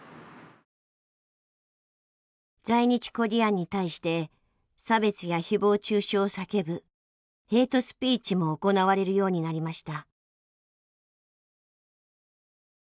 在日コリアンに対して差別や誹謗中傷を叫ぶヘイトスピーチも行われるようになりました。